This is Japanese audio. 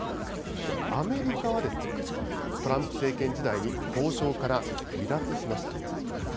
アメリカはトランプ政権時代に交渉から離脱しました。